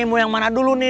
mau yang mana dulu nih